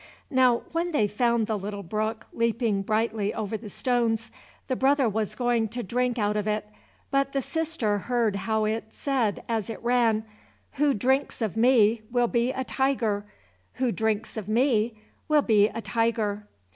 Now when they found a little brook leaping brightly over the stones, the brother was going to drink out of it, but the sister heard how it said as it ran, "Who drinks of me will be a tiger; who drinks of me will be a tiger."